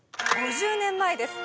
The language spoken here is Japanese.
５０年前です